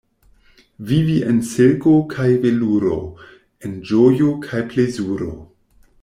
Vivi en silko kaj veluro, en ĝojo kaj plezuro.